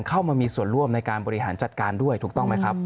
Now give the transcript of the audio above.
เข้ามามีส่วนร่วมในการบริหารจัดการด้วยถูกต้องไหมครับ